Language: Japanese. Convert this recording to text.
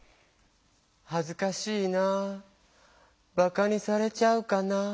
「はずかしいなぁバカにされちゃうかなぁ」。